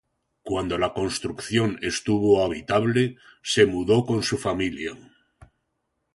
Cuando la construcción estuvo habitable, se mudó con su familia.